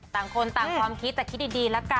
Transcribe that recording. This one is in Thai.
ต่างคนต่างความคิดแต่คิดดีแล้วกัน